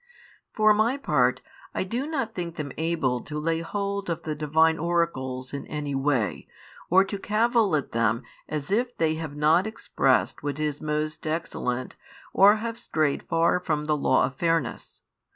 For my part, I do not think them able to lay hold of the Divine Oracles in any way, or to cavil at them as if they have not expressed what is most excellent or have |6 strayed far from the law of fairness.